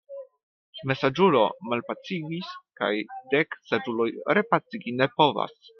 Malsaĝulo malpacigis kaj dek saĝuloj repacigi ne povas.